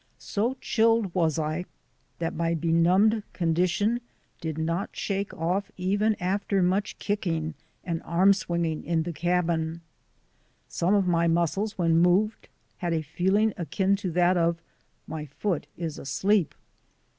LANDMARKS i 4 i So chilled was I, that my benumbed condition did not shake off even after much kicking and arm swinging in the cabin. Some of my muscles when moved had a feeling akin to that of "my foot is asleep."